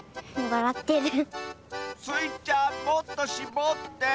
わらってる？